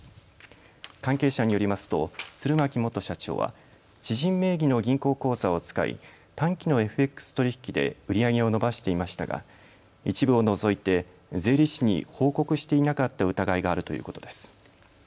関係者によりますと釣巻元社長は知人名義の銀行口座を使い短期のＦＸ取引で売り上げを伸ばしていましたが一部を除いて税理士に報告していなかった疑いがあるということです。